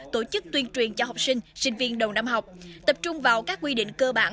tổ chức tuyên truyền cho học sinh sinh viên đầu năm học tập trung vào các quy định cơ bản